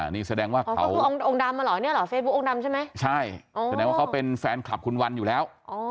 นี่แสดงว่าเขาเป็นแฟนคลับคุณวันอยู่แล้ว